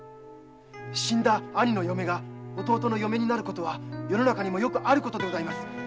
死んだ兄の嫁が弟の嫁になるのは世の中にもよくあることです。